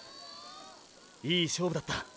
いい勝負だった。